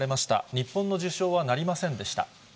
日本の受賞はなりませんでした。